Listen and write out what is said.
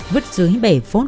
vứt dưới bể phốt